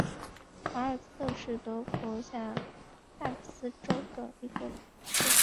维尔斯特是德国下萨克森州的一个市镇。